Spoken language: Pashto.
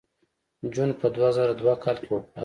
جون په دوه زره دوه کال کې وفات شو